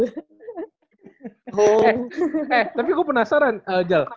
eh tapi gue penasaran jel